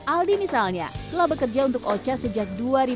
aldi misalnya telah bekerja untuk o c a sejak dua ribu tiga belas